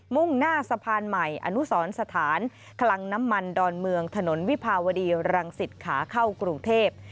่งหน้าสะพานใหม่อนุสรสถานคลังน้ำมันดอนเมืองถนนวิภาวดีรังสิตขาเข้ากรุงเทพ